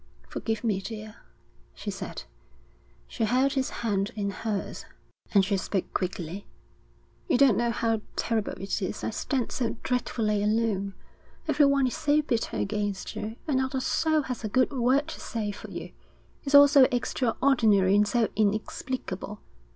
'Forgive me, dear,' she said. She held his hand in hers, and she spoke quickly. 'You don't know how terrible it is. I stand so dreadfully alone. Everyone is so bitter against you, and not a soul has a good word to say for you. It's all so extraordinary and so inexplicable.